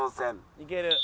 いける。